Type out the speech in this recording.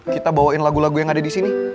kita bawain lagu lagu yang ada di sini